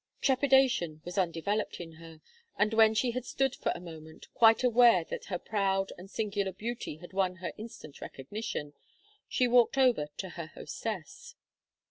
Trepidation was undeveloped in her, and when she had stood for a moment, quite aware that her proud and singular beauty had won her instant recognition, she walked over to her hostess.